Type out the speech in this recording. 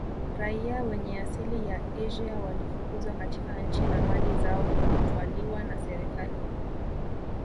Raia wenye asili ya eshia walifukuzwa katika nchi na mali zao kutwaliwa na serikali